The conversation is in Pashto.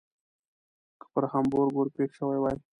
که پر هامبورګ ور پیښ شوي وای.